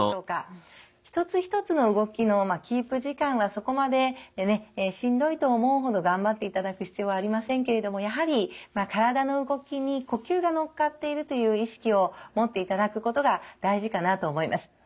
一つ一つの動きのキープ時間はそこまでねしんどいと思うほど頑張っていただく必要はありませんけれどもやはり体の動きに呼吸が乗っかっているという意識を持っていただくことが大事かなと思います。